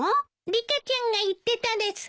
リカちゃんが言ってたです。